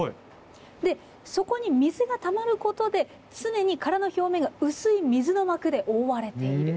でそこに水がたまることで常に殻の表面が薄い水の膜で覆われている。